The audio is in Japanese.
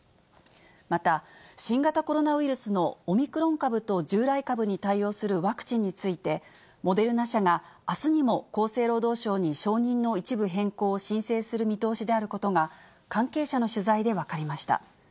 また、新型コロナウイルスのオミクロン株と従来株に対応するワクチンについて、モデルナ社があすにも厚生労働省に承認の一部変更を申請する見通しであることが、関係者の取材で分かりました。